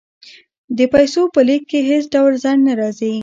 د پیسو په لیږد کې هیڅ ډول ځنډ نه راځي.